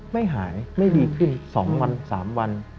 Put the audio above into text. ไม่หายไม่ดีขึ้น๒วัน๓วัน